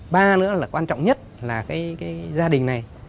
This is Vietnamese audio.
ba nữa là quan trọng nhất là cái gia đình này